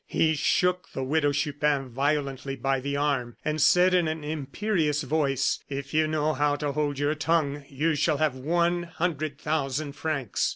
He shook the Widow Chupin violently by the arm, and said, in an imperious voice: "If you know how to hold your tongue you shall have one hundred thousand francs."